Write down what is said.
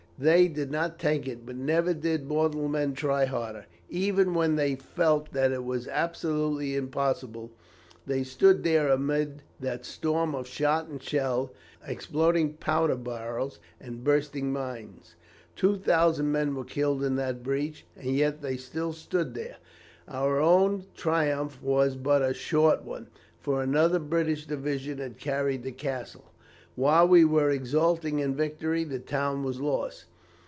They did not take it, but never did mortal men try harder. Even when they felt that it was absolutely impossible, they stood there amid that storm of shot and shell, exploding powder barrels, and bursting mines. Two thousand men were killed in that breach, and yet they still stood there. Our own triumph was but a short one, for another British division had carried the castle. While we were exulting in victory, the town was lost.